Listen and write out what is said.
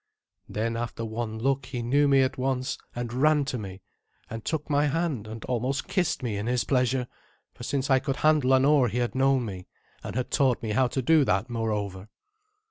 Then, after one look, he knew me at once, and ran to me, and took my hand, and almost kissed me in his pleasure, for since I could handle an oar he had known me, and had taught me how to do that, moreover.